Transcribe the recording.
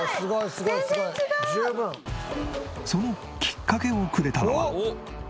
そのきっかけをくれたのは。